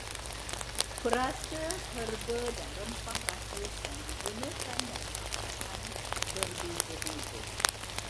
Perasa, herba dan rempah ratus yang digunakan dalam masakan berbeza-beza.